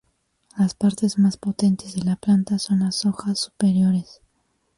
Las partes más potentes de la planta son las hojas superiores.